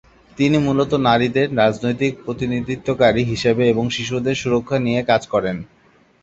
তিনি মূলত নারীদের রাজনৈতিক প্রতিনিধিত্বকারী হিসেবে এবং শিশুদের সুরক্ষা নিয়ে কাজ করেন।